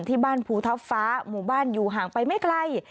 ที่บ้านภูทฟ้าหมู่บ้านอยู่ห่างไปไม่ไกล